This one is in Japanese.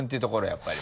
やっぱり。